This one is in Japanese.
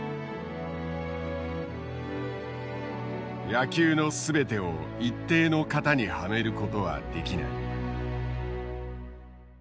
「野球の総てを一定の型にはめる事は出来ない」。